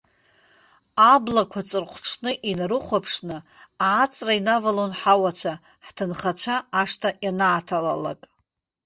Аблақәа ҵырҟәҿны инарыхәаԥшны, ааҵра инавалон ҳауацәа, ҳҭынхацәа ашҭа ианааҭалалак.